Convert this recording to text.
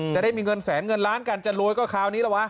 จะได้มีเงินแสนเงินล้านกันจะรวยก็คราวนี้แล้ววะ